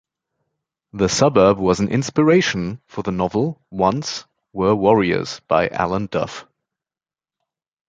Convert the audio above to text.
The suburb was an inspiration for the novel "Once Were Warriors" by Alan Duff.